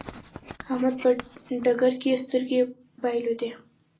احمد په ټکر کې سترګې بايلودې.